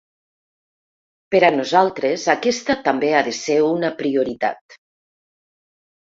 Per a nosaltres aquesta també ha de ser una prioritat.